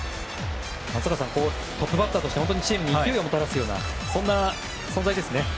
松坂さんトップバッターとしてチームに勢いをもたらすようなそんな存在ですね。